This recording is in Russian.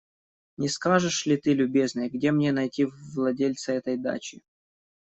Не скажешь ли ты, любезный, где мне найти владельца этой дачи?